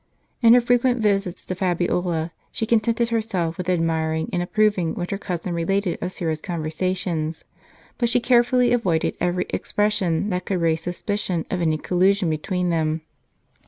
In her frequent visits to Fabiola, she contented herself with admiring and approving what her cousin related of Syra's conversations ; but she carefully avoided every expression that could raise suspicion of any collusion between them.